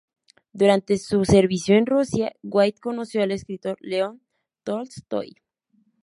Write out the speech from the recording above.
Durante su servicio en Rusia, White conoció al escritor León Tolstói.